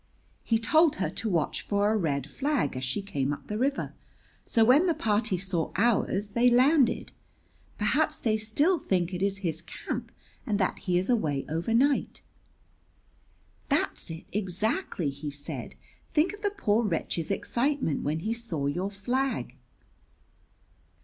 He told her to watch for a red flag as she came up the river; so when the party saw ours they landed. Perhaps they still think it is his camp and that he is away overnight." "That's it, exactly," he said. "Think of the poor wretch's excitement when he saw your flag!"